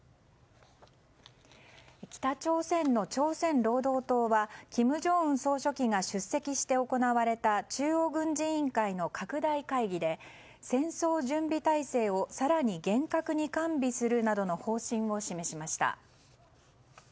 北朝鮮の朝鮮労働党は金正恩総書記が出席して行われた中央軍事委員会の拡大会議で戦争準備態勢を、更に厳格に管理するなどの方針を示しました。